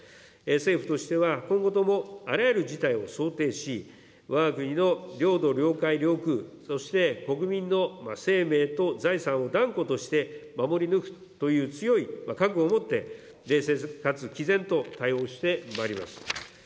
政府としては、今後とも、あらゆる事態を想定し、わが国の領土・領海・領空、そして、国民の生命と財産を断固として守り抜くという強い覚悟をもって、冷静かつきぜんと対応してまいります。